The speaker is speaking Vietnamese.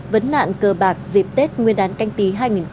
vấn nạn cờ bạc dịp tết nguyên đán canh tí hai nghìn hai mươi